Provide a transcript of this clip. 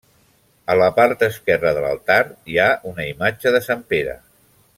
A la part esquerra de l'altar hi ha una imatge de Sant Pere.